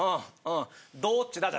どっちだ？